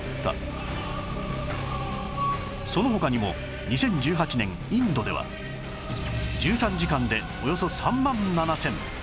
その他にも２０１８年インドでは１３時間でおよそ３万７０００